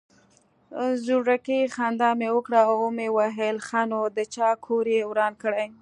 زورکي خندا مې وکړه ومې ويل ښه نو د چا کور يې وران کړى.